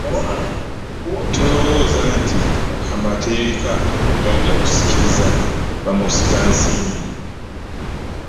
Tulowooza nti amateeka gajja kisikiriza bamusigansimbi